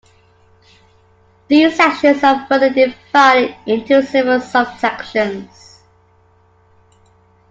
These sections are further divided into several sub-sections.